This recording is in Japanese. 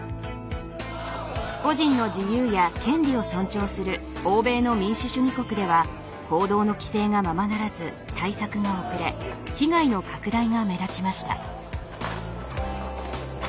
個人の自由や権利を尊重する欧米の民主主義国では行動の規制がままならず対策が遅れ被害の拡大が目立ちました。